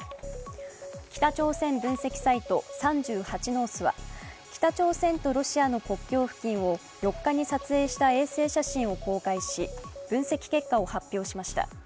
ノースは、北朝鮮とロシアの国境付近を４日に撮影した衛星写真を公開し、分析結果を発表しました。